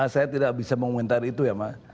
saya tidak bisa mengomentari itu ya mas